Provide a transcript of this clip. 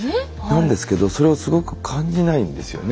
なんですけどそれをすごく感じないんですよね。